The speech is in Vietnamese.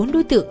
bốn đối tượng